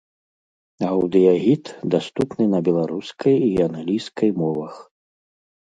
Аўдыягід даступны на беларускай і англійскай мовах.